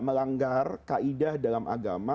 melanggar kaidah dalam agama